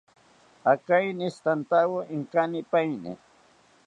Akeinishitantawo inkanipaeni